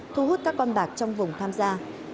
thu hút các con bạc trong vùng tham gia